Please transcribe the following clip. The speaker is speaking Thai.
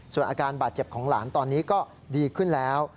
ส่วนอาการบาดเจ็บของหลานตอนนี้ก็ดีขึ้นแล้ว